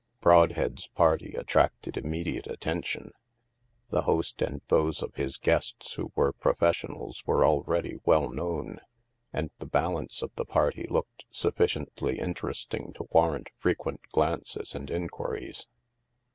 Brodhead's party attracted immediate attention. The host and those of his guests who were profes 3i8 THE MASK sionals were already well known, and the balance of the party looked sufficiently interesting to warrant frequent glances and inquiries.